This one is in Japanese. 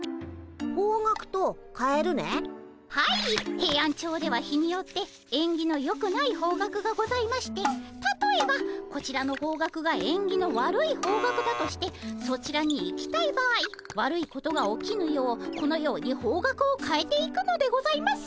ヘイアンチョウでは日によってえんぎのよくない方角がございましてたとえばこちらの方角がえんぎの悪い方角だとしてそちらに行きたい場合悪いことが起きぬようこのように方角を変えて行くのでございます。